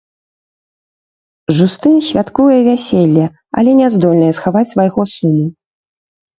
Жустын святкуе вяселле, але не здольная схаваць свайго суму.